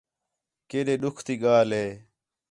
کیݙے ݙُکھ تی ڳالھ ہے